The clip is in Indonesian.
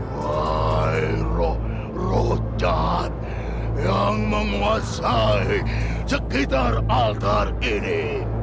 wahai roh cat yang menguasai sekitar altar ini